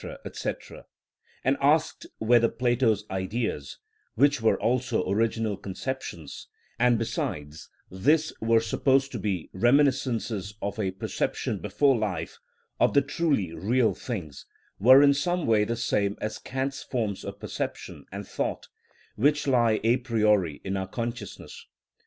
&c.,—and asked whether Plato's Ideas, which were also original conceptions, and besides this were supposed to be reminiscences of a perception before life of the truly real things, were in some way the same as Kant's forms of perception and thought, which lie a priori in our consciousness.